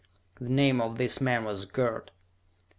The name of this man was Gerd.